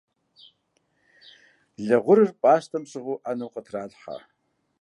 Лы гъурыр пӀастэм щӀыгъуу Ӏэнэм къытралъхьэ.